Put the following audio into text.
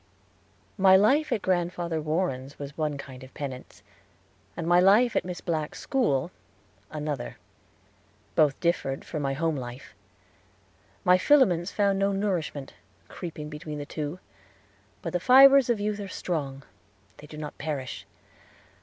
My life at Grandfather Warren's was one kind of penance and my life in Miss Black's school another. Both differed from our home life. My filaments found no nourishment, creeping between the two; but the fibers of youth are strong, and they do not perish.